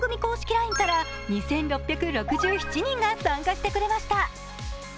ＬＩＮＥから２６６７人が参加して暮れました。